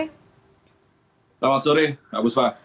selamat sore mbak buspa